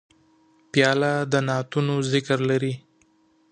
پیاله د نعتونو ذکر لري.